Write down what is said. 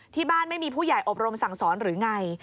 ไม่มีผู้ใหญ่อบรมสั่งสอนหรือไง